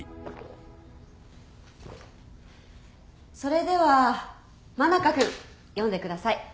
それでは真中君読んでください。